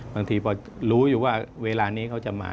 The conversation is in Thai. บางทีพอรู้อยู่ว่าเวลานี้เขาจะมา